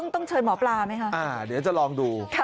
ต้องเชิญหมอปลาไหมคะเดี๋ยวจะลองดู